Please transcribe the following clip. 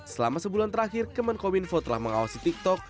selama sebulan terakhir kemen kominfo telah mengawasi tiktok